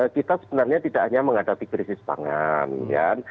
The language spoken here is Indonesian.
kita sebenarnya tidak hanya menghadapi krisis pangan kan